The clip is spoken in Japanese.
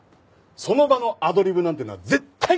その場のアドリブなんてのは絶対に信用するな！